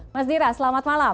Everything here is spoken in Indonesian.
mas dira selamat malam